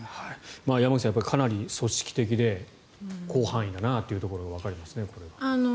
山口さん、かなり組織的で広範囲だなということがわかりますね。